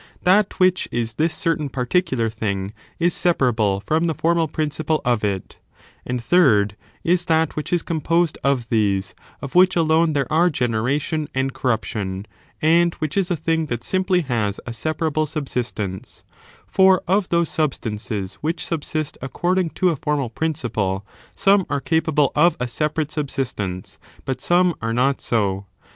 That which is this certain particular ; thing ii^ separable from the formal principle of it, and third is that which is composed of these, of which alone there are generation and corruption, and which is a thing that simply has a separable subsistence ; for of those substances which subsist according to a formal principle some are capable of a jBeparate subsistence, but some are not so.